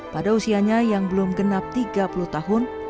pada usianya yang belum genap tiga puluh tahun